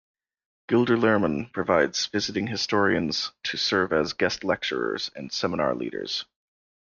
Gilder Lehrman provides visiting historians to serve as guest lecturers and seminar leaders.